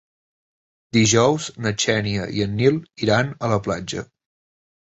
Dijous na Xènia i en Nil iran a la platja.